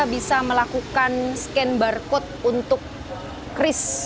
kita bisa melakukan scan barcode untuk kris